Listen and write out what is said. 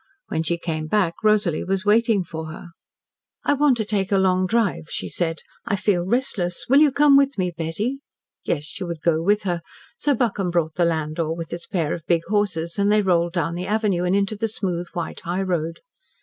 When she came back Rosalie was waiting for her. "I want to take a long drive," she said. "I feel restless. Will you come with me, Betty?" Yes, she would go with her, so Buckham brought the landau with its pair of big horses, and they rolled down the avenue, and into the smooth, white high road.